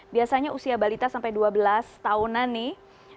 biasanya usia balita sampai dua belas tahunan nih